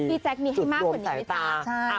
พี่แจ๊กนี่ให้มากกว่านี้จุดดวมสายตา